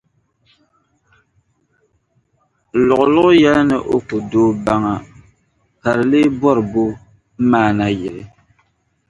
Luɣuluɣu yɛli ni o ku dooi baŋa ka di lee bɔri bɔ maana yili?